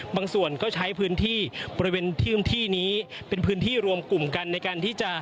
บางส่วนก็ใช้พื้นที่บริเวณที่พื้นที่นี้เป็นพื้นที่รวมกลุ่มกันในการที่จะ